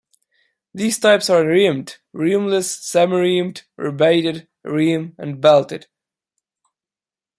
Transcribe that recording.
These types are rimmed, rimless, semi-rimmed, rebated rim, and belted.